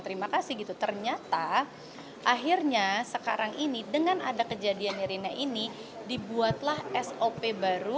terima kasih gitu ternyata akhirnya sekarang ini dengan ada kejadian nirina ini dibuatlah sop baru